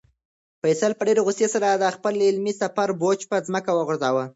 فیصل په ډېرې غوسې سره د خپل علمي سفر بوج په ځمکه وغورځاوه.